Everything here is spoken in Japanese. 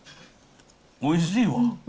おいしいわ。